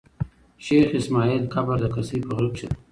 شېخ اسماعیل قبر د کسي په غره کښي دﺉ.